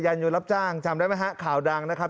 ยนต์รับจ้างจำได้ไหมฮะข่าวดังนะครับ